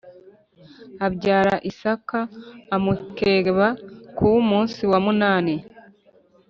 abyara Isaka amukeba ku munsi wa munani